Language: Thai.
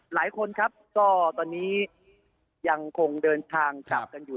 หลายคนครับก็ตอนนี้ยังคงเดินทางกลับกันอยู่